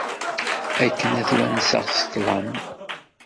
Akken ad twenseɣ s ṭlam.